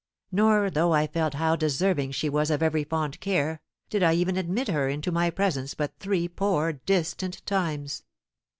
Nor, though I felt how deserving she was of every fond care, did I even admit her into my presence but three poor distant times."